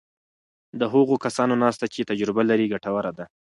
د هغو کسانو ناسته چې تجربه لري ګټوره ده.